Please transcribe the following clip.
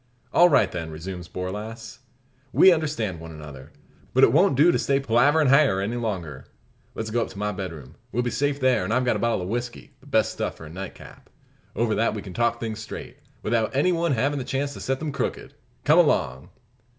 "All right, then," resumes Borlasse; "we understand one another. But it won't do to stay palaverin hyar any longer. Let's go up to my bedroom. We'll be safe there; and I've got a bottle of whisky, the best stuff for a nightcap. Over that we can talk things straight, without any one havin' the chance to set them crooked. Come along!"